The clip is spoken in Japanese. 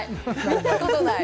見たことない！